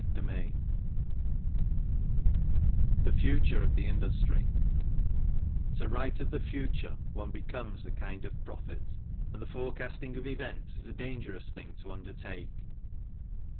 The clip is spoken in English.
CHAPTER XX THE FUTURE OF THE INDUSTRY To write of the future one becomes a kind of prophet, and the forecasting of events is a dangerous thing to undertake.